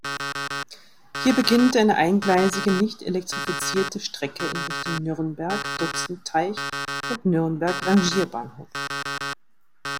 Hier beginnt eine eingleisige nichtelektrifizierte Strecke in Richtung Nürnberg-Dutzendteich und Nürnberg Rangierbahnhof.